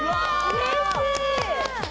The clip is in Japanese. うれしい。